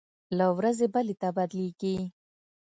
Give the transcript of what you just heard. له ورځې بلې ته بدلېږي.